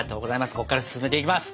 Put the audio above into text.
ここから進めていきます。